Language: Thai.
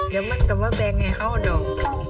เดี๋ยวมันก็มาแบ่งให้เขาดอก